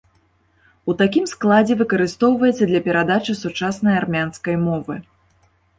У такім складзе выкарыстоўваецца для перадачы сучаснай армянскай мовы.